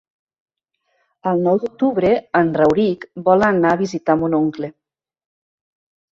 El nou d'octubre en Rauric vol anar a visitar mon oncle.